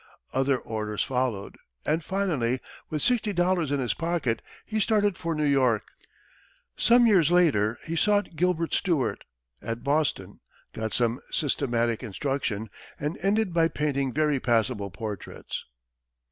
Other orders followed, and finally with sixty dollars in his pocket, he started for New York. Some years later, he sought Gilbert Stuart, at Boston, got some systematic instruction and ended by painting very passable portraits.